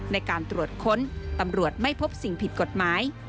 ในการตรวจค้นตำรวจไม่พบสิ่งผิดกฎหมาย